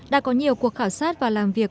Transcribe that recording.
đã có nhiều cuộc khảo sát và làm việc